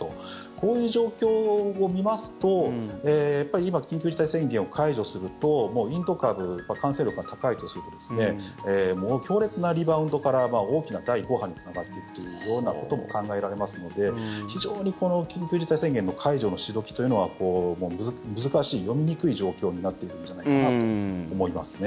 こういう状況を見ますと今、緊急事態宣言を解除するとインド株、感染力が高いとすれば強烈なリバウンドから大きな第５波につながっていくというようなことも考えられますので非常にこの緊急事態宣言の解除のしどきというのは難しい、読みにくい状況になっているんじゃないかなと思いますね。